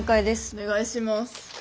お願いします。